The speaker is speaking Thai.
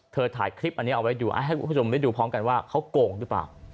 ถ่ายคลิปอันนี้เอาไว้ดูให้คุณผู้ชมได้ดูพร้อมกันว่าเขาโกงหรือเปล่า